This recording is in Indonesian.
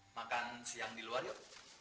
makan siang di luar yuk